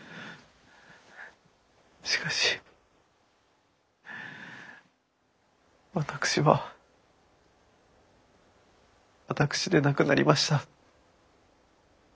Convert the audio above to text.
しかし私は私でなくなりました。